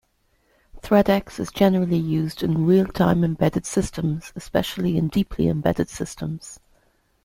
ThreadX is generally used in real-time embedded systems, especially in deeply embedded systems.